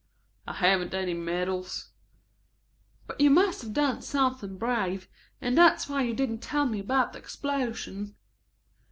"I haven't any medals." "But you must have done something brave, and that's why you didn't tell me about the explosion."